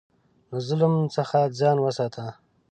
له ظلم څخه ځان وساته.